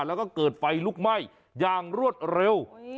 แล้วก็เกิดไฟลุกไหม้อย่างรวดเร็ว